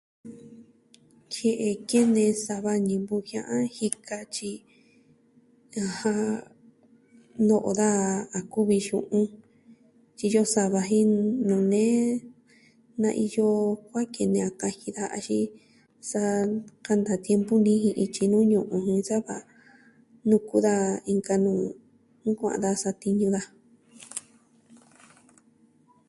Jie'e kene sava ñivɨ jia'an jen katyi, no'o daja a kuvi xu'un, tyiyo sava jen nuu nee, naa iyo kuaa kene a kaji daja axin sa kanta tiempu nijin ityi nuu ñu'un jun sa va nuku daja inka nuu a nkua'an daja satiñu daja.